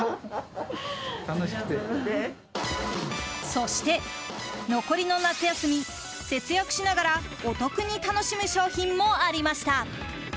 そして、残りの夏休み節約しながらお得に楽しむ商品もありました。